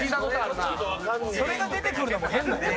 それが出てくるのも変だよ。